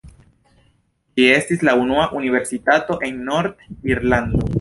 Ĝi estis la unua universitato en Nord-Irlando.